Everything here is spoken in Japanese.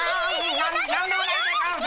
何でもないでゴンス！